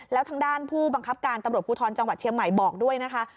แล้วทางด้านผู้บังคับการตำรวจภูทรจังหวัดเชียงใหม่บอกด้วยนะคะ